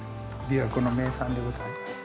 ◆琵琶湖の名産でございます。